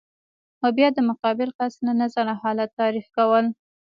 او بیا د مقابل کس له نظره حالت تعریف کول